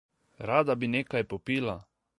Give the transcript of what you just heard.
Rada bi nekaj popila.